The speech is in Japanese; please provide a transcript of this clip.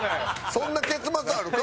そんな結末あるか！